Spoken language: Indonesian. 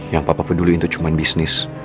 yang papa peduli itu cuma bisnis